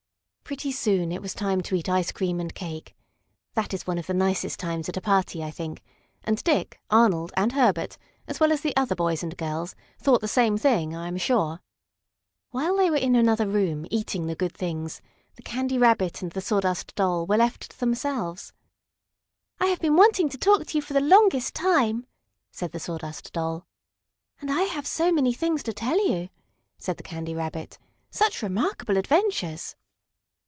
Pretty soon it was time to eat ice cream and cake. That is one of the nicest times at a party, I think; and Dick, Arnold and Herbert, as well as the other boys and girls, thought the same thing, I am sure. While they were in another room, eating the good things, the Candy Rabbit and the Sawdust Doll were left to themselves. "I have been wanting to talk to you for the longest time!" said the Sawdust Doll. "And I have so many things to tell you," said the Candy Rabbit. "Such remarkable adventures!"